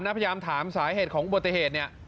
นักข่าวพยายามถามสาเหตุของบทยธ